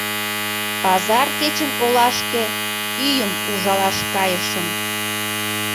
Пазар кечын олашке ӱйым ужалаш кайышым.